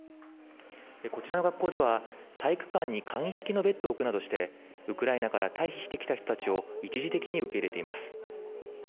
こちらの学校では、体育館に簡易式のベッドを置くなどして、ウクライナから退避してきた人たちを一時的に受け入れています。